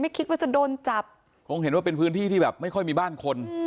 คิดว่าจะโดนจับคงเห็นว่าเป็นพื้นที่ที่แบบไม่ค่อยมีบ้านคน